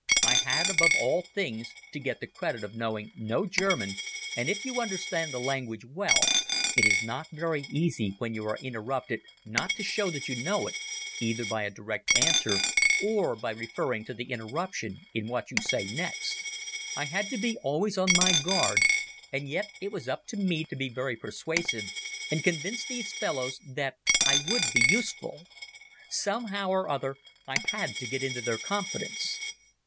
I had, above all things, to get the credit of knowing no German, and, if you understand a language well, it is not very easy when you are interrupted not to show that you know it, either by a direct answer, or by referring to the interruption in what you say next. I had to be always on my guard, and yet it was up to me to be very persuasive and convince these fellows that I would be useful. Somehow or other I had to get into their confidence.